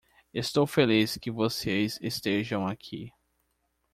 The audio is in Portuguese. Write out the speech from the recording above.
Estou feliz que vocês estejam aqui.